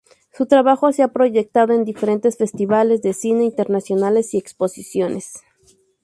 Su trabajo se ha proyectado en diferentes festivales de cine internacionales y exposiciones.